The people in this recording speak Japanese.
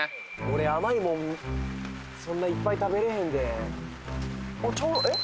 俺甘いもんそんないっぱい食べれへんであっちゃうえっ？